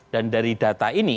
dan dari data ini